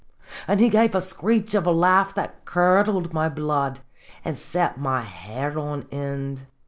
An' he gave a screech of a laugh that curdled my blood an' set my hair on ind.